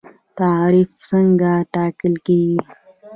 تعرفه څنګه ټاکل کیږي؟